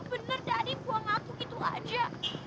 bener dari buang aku gitu aja